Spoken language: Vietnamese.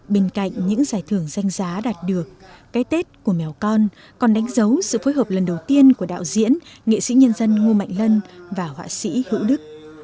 bên cạnh những giải thưởng danh giá đạt được cái tết của mèo con còn đánh dấu sự phối hợp lần đầu tiên của đạo diễn nghệ sĩ nhân dân ngô mạnh lân và họa sĩ hữu đức